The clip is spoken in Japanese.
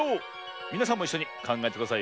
みなさんもいっしょにかんがえてくださいよ。